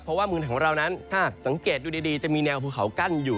เพราะว่าเมืองของเรานั้นถ้าสังเกตดูดีจะมีแนวภูเขากั้นอยู่